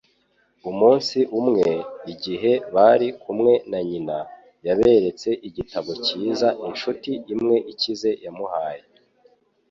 Umunsi umwe, igihe bari kumwe na nyina, yaberetse igitabo cyiza inshuti imwe ikize yamuhaye.